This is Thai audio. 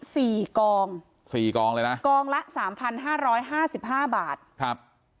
สี่กองสี่กองเลยนะกองละสามพันห้าร้อยห้าสิบห้าบาทครับ